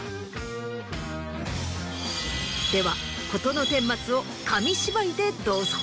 では事の顛末を紙芝居でどうぞ。